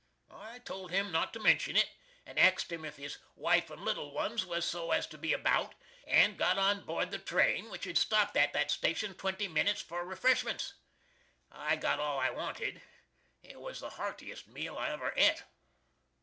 I told him not to mention it, and axed him if his wife and little ones was so as to be about, and got on bored the train, which had stopped at that station "20 minits for refreshments." I got all I wantid. It was the hartiest meal I ever et.